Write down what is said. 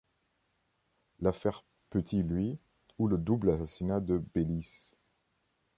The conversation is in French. L'affaire Petit-Louis ou le double assassinat de Bélis.